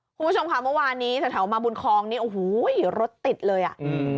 คุณผู้ชมค่ะเมื่อวานนี้แถวแถวมาบุญคองนี่โอ้โหรถติดเลยอ่ะอืม